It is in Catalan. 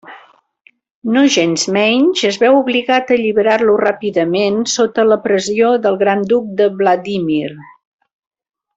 Nogensmenys, es veu obligat a alliberar-lo ràpidament sota la pressió del Gran Duc de Vladímir.